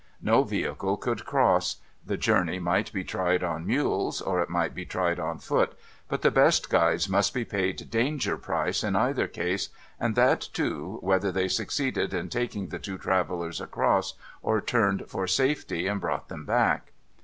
No vehicle could cross. The journey might be tried on mules, or it might be tried on foot ; but the best guides must be paid danger price in either case, and that, too, whether they succeeded in taking the two travellers across, or turned for safety and brought them back.